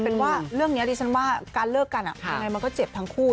เป็นว่าเรื่องนี้ดิฉันว่าการเลิกกันยังไงมันก็เจ็บทั้งคู่